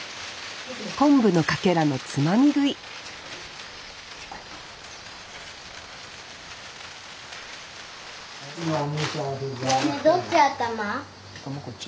昆布のかけらのつまみ食いねえねえどっち？